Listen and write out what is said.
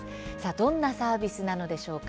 どんなサービスなのでしょうか。